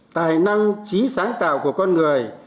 tài năng trí sáng tạo của con người